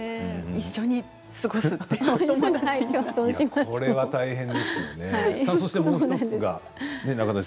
一緒に過ごすということなんですね。